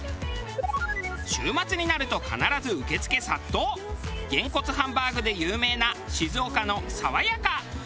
週末になると必ず受け付け殺到げんこつハンバーグで有名な静岡のさわやか。